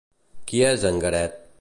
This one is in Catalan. Qui és en Garet?